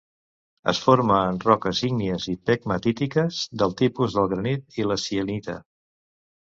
Es forma en roques ígnies i pegmatítiques, del tipus del granit i la sienita.